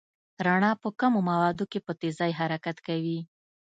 رڼا په کمو موادو کې په تېزۍ حرکت کوي.